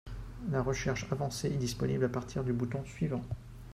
La recherche avancée est disponible à partir du bouton suivant